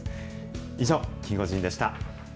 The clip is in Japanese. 以上、キンゴジンでした。